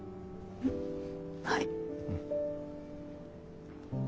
はい。